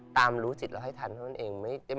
ตามรู้สิทธิ์เราให้ทันเพราะฉะนั้นเอง